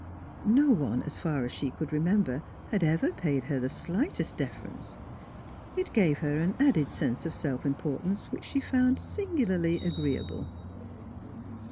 No one, as far as she could remember, had ever paid her the slightest deference. It gave her an NEIGHBORS 137 added sense of self importance which she found singularly agreeable.